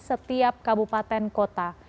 setiap kabupaten kota